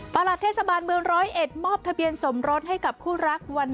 หลัดเทศบาลเมืองร้อยเอ็ดมอบทะเบียนสมรสให้กับคู่รักวัน